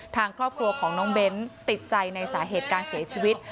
ทางครอบครัวของน้องเบ้นติดใจในสาเหตุการเสียชีวิต